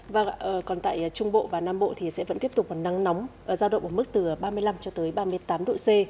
vâng ạ còn tại trung bộ và nam bộ thì sẽ vẫn tiếp tục nắng nóng giao động ở mức từ ba mươi năm cho tới ba mươi tám độ c